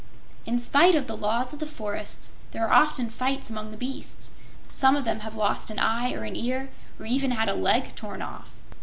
In spite of the laws of the forests there are often fights among the beasts; some of them have lost an eye or an ear or even had a leg torn off.